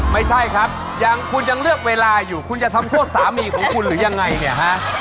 ไม่ใช่ครับยังคุณยังเลือกเวลาอยู่คุณจะทำโทษสามีของคุณหรือยังไงเนี่ยฮะ